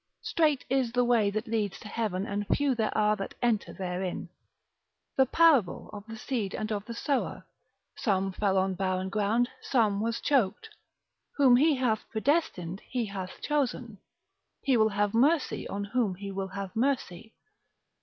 Strait is the way that leads to heaven, and few there are that enter therein. The parable of the seed and of the sower, some fell on barren ground, some was choked. Whom he hath predestinated he hath chosen. He will have mercy on whom he will have mercy.